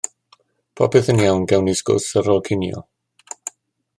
Popeth yn iawn, gawn ni sgwrs ar ôl cinio.